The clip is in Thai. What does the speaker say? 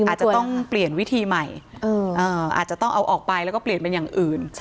อาจจะต้องเปลี่ยนวิธีใหม่อาจจะต้องเอาออกไปแล้วก็เปลี่ยนเป็นอย่างอื่น